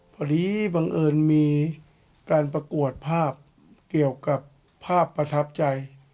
พอดีบังเอิญมีการประกวดภาพเกี่ยวกับภาพประทับใจ